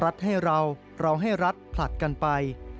ให้เราเราให้รัฐผลัดกันไป